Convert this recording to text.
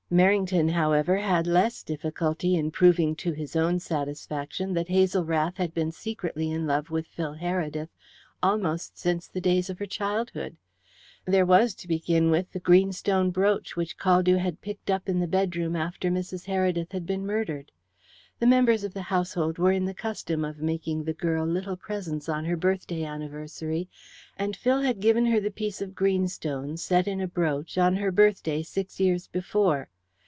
Merrington, however, had less difficulty in proving to his own satisfaction that Hazel Rath had been secretly in love with Phil Heredith almost since the days of her childhood. There was, to begin with, the greenstone brooch which Caldew had picked tap in the bedroom after Mrs. Heredith had been murdered. The members of the household were in the custom of making the girl little presents on her birthday anniversary, and Phil had given her the piece of greenstone, set in a brooch, on her birthday six years before.